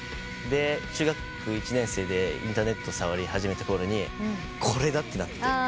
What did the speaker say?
で中学１年生でインターネット触り始めたころにこれだってなって。